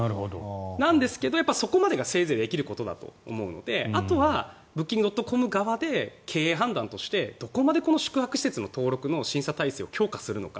なんですが、そこまでがせいぜいできることだと思うのであとはブッキングドットコム側で経営判断としてどこまで宿泊施設の登録の審査体制を強化するのか。